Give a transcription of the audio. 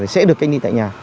sẽ được cách ly tại nhà